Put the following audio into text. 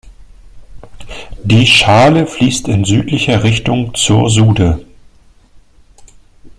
Die Schaale fließt in südlicher Richtung zur Sude.